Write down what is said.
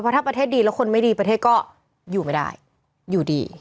ถ้าประเทศดีแล้วคนไม่ดีประเทศก็อยู่ไม่ได้อยู่ดี